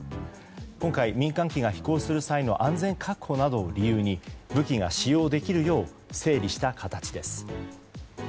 今回、民間機が飛行する際の安全確保などを理由に武器が使用できるよう整理した形です。